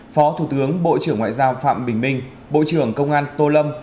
phó thủ tướng bộ trưởng ngoại giao phạm bình minh bộ trưởng công an tô lâm